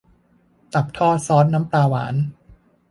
ตับทอดซอสน้ำปลาหวาน